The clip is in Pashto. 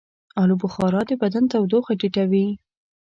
آلوبخارا د بدن تودوخه ټیټوي.